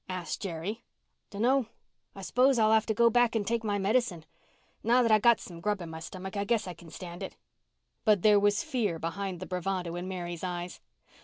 asked Jerry. "Dunno. I s'pose I'll have to go back and take my medicine. Now that I've got some grub in my stomach I guess I can stand it." But there was fear behind the bravado in Mary's eyes.